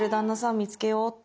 見つけようっと。